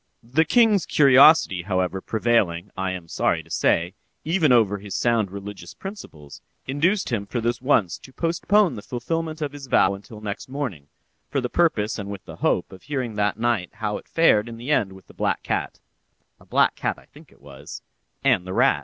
The king's curiosity, however, prevailing, I am sorry to say, even over his sound religious principles, induced him for this once to postpone the fulfilment of his vow until next morning, for the purpose and with the hope of hearing that night how it fared in the end with the black cat (a black cat, I think it was) and the rat.